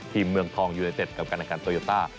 ทีมเมืองทองยูไลเต็ดกับการรายการโตโยต้า